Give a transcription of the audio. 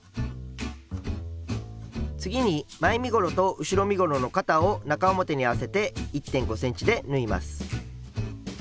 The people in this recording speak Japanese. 次に前身ごろと後ろ身ごろの肩を中表に合わせて１．５ｃｍで縫います。